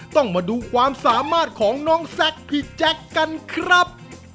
ต้องมาดูความสามารถของน้องแซคพี่แจ๊คกันครับ